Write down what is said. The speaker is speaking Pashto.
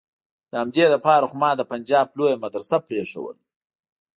د همدې د پاره خو ما د پنجاب لويه مدرسه پرېخوده.